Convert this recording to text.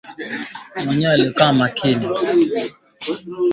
Mwenyewe alianzishaka abari ya gereza ni sulemani